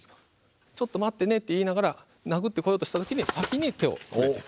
「ちょっと待ってね」って言いながら殴ってこようとした時には先に手を触れていく。